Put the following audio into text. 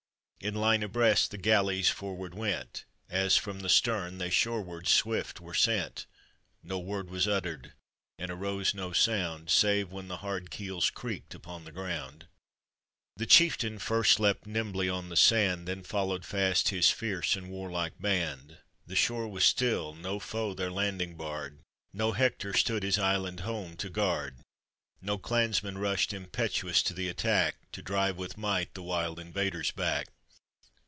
In line abreast the galleys forward went, As, from the stern, they shorewards swift were sent; No word was uttered, and arose no sound, Save when the hard keels creaked upon the ground. The chieftain first leapt nimbly on the sand, Then followed fast his fierce and warlike band. The short was still, no foe their landing barred, No Hector stood his island home to guard, No clansmen rushed impetuous to th' attack. To drive with might the wild invaders buck.